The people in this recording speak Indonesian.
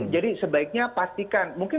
jadi sebaiknya pastikan mungkin